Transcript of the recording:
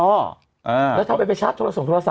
แล้วถ้าไปชาร์จโทรศัพท์